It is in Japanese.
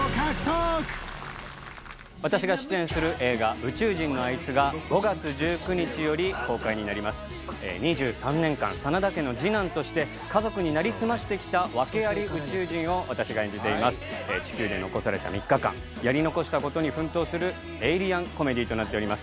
私が出演する映画「宇宙人のあいつ」が５月１９日より公開になります２３年間真田家の次男として家族になりすましてきた訳アリ宇宙人を私が演じています地球で残された３日間やり残したことに奮闘するエイリアンコメディとなっております